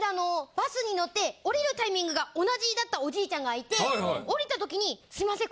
バスに乗って降りるタイミングが同じだったおじいちゃんがいて降りたときにすいません